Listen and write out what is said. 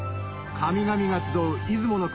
神々が集う出雲の国